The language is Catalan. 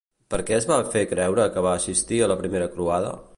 Per què es va fer creure que va assistir a la Primera Croada?